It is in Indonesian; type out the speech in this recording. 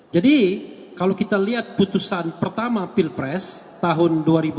jadi kalau kita lihat putusan pertama pilpres tahun dua ribu empat